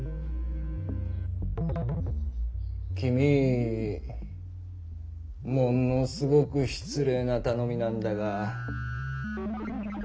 君ものすごく失礼な頼みなんだが。